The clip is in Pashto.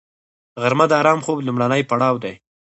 غرمه د آرام خوب لومړنی پړاو دی